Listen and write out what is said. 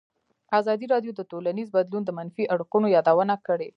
ازادي راډیو د ټولنیز بدلون د منفي اړخونو یادونه کړې.